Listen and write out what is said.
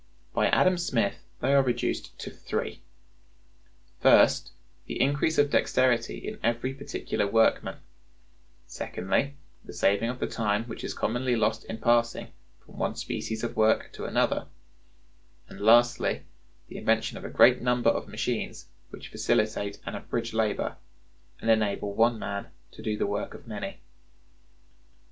By Adam Smith they are reduced to three: "First, the increase of dexterity in every particular workman; secondly, the saving of the time which is commonly lost in passing from one species of work to another; and, lastly, the invention of a great number of machines which facilitate and abridge labor, and enable one man to do the work of many."